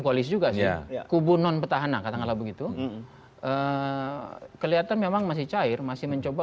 koalisi juga sih kubu non petahana katakanlah begitu kelihatan memang masih cair masih mencoba